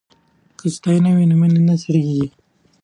که ستاینه وي نو مینه نه سړیږي.